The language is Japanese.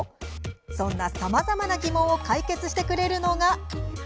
そんなさまざまな疑問を解決してくれるのが。